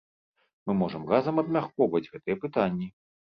Мы можам разам абмяркоўваць гэтыя пытанні.